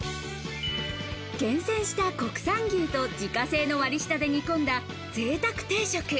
厳選した国産牛と自家製の割り下で煮込んだぜいたく定食。